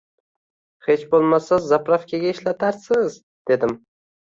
Hech bo`lmasa zapravkaga ishlatarsiz, dedim